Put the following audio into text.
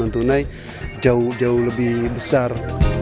untuk menaik jauh lebih besar